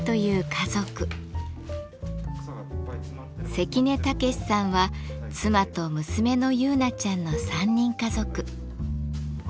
関根毅さんは妻と娘の結菜ちゃんの３人家族。